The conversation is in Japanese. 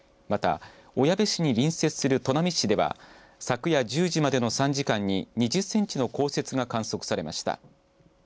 また、小矢部市に隣接する砺波市では昨夜１０時までの３時間に２０センチの降雪が観測されました。